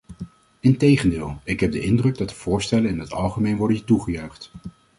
Integendeel, ik heb de indruk dat de voorstellen in het algemeen worden toegejuicht.